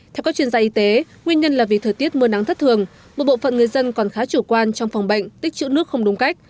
theo các chuyên gia y tế nguyên nhân là vì thời tiết mưa nắng thất thường một bộ phận người dân còn khá chủ quan trong phòng bệnh tích chữ nước không đúng cách